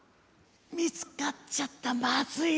見つかっちゃったまずいですよ。